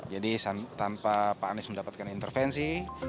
jadi tanpa pak anies mendapatkan intervensi